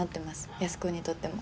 安子にとっても。